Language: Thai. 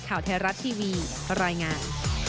ข่าวเทราะทีวีรอยงาน